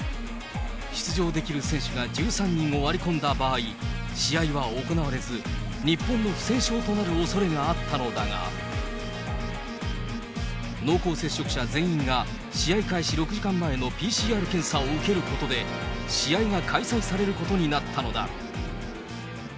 出場できる選手が１３人を割り込んだ場合、試合は行われず、日本の不戦勝となるおそれがあったのだが、濃厚接触者全員が、試合開始６時間前のＰＣＲ検査を受けることで、試合が開催されることになったのだ。